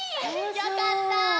よかった。